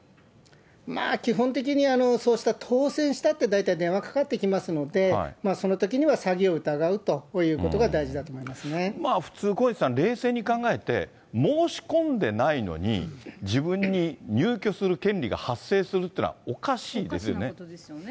まあ、基本的にそうした当せんしたって、大体電話かかってきますので、そのときには詐欺を疑うということが、普通、小西さん、冷静に考えて、申し込んでないのに自分に入居する権利が発生するってのはおおかしなことですよね。